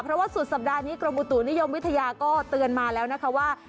เพราะว่าสุดสัปดาห์นี้กรมอุตุนิยมวิทยาก็เตือนมาแล้วนะคะว่า